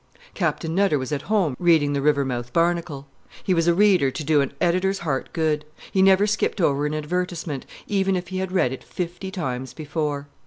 Captain Nutter was at home reading the Rivermouth Barnacle. He was a reader to do an editor's heart good; he never skipped over an advertisement, even if he had read it fifty times before.